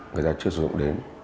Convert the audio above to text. người ta chưa sử dụng đến